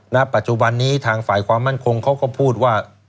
ณปัจจุบันนี้ทางฝ่ายความมั่นคงเขาก็พูดว่า